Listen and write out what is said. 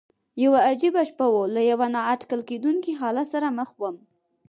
یوه عجیبه شپه وه، له یوه نا اټکل کېدونکي حالت سره مخ ووم.